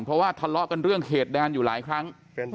เพราะว่าทะเลาะกันเรื่องเขตแดนอยู่หลายครั้ง